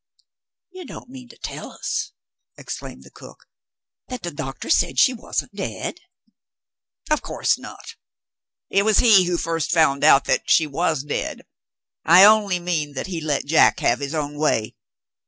"You don't mean to tell us," exclaimed the cook, "that the doctor said she wasn't dead?" "Of course not. It was he who first found out that she was dead I only mean that he let Jack have his own way.